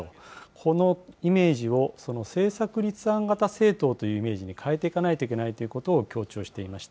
このイメージを政策立案型政党というイメージに変えていかなければいけないということを強調していました。